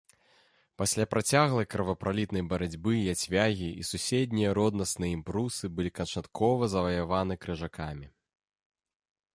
Пасля працяглай кровапралітнай барацьбы яцвягі і суседнія роднасныя ім прусы былі канчаткова заваяваны крыжакамі.